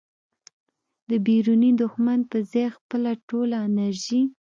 د بیروني دښمن په ځای خپله ټوله انرژي